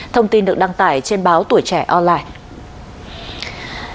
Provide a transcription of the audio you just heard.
thông tin được đăng tải trên báo tuổi trẻ online